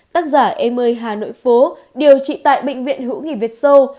tác giả em ơi hà nội phố điều trị tại bệnh viện hữu nghị việt sâu